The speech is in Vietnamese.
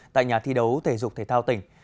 tại nhà thi đấu thể dục thể thao tỉnh